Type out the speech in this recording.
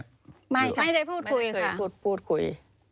ไม่ได้พูดคุยค่ะพูดคุย